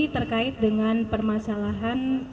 terkait dengan permasalahan